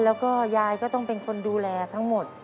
แล้วก็ยายก็ต้องเป็นคนดูแลทั้งหมด